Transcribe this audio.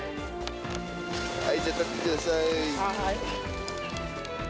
はい、じゃあ、立ってくださはーい。